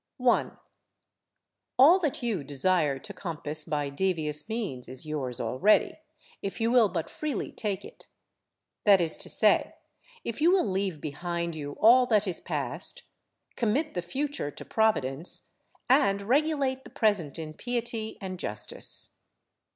1. All that you desire to compass by devious means is yours already, if you will but freely take it. That is to say, if you will leave behind you all that is past, commit the future to Providence, and regulate the present in piety and justice.